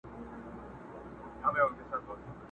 په کاروان کي سو روان د هوښیارانو!.